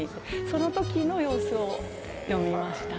そのときの様子を詠みました。